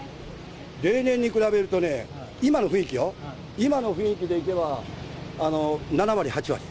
例年に比べるとね、今の雰囲気よ、今の雰囲気でいけば、７割、８割。